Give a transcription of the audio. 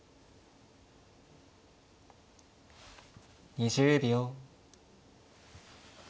２０秒。